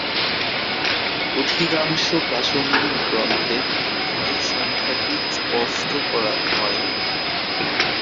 অধিকাংশ প্রাসঙ্গিক গ্রন্থে তাদের সংখ্যাটি স্পষ্ট করা হয়নি।